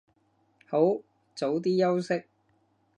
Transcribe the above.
好，早啲休息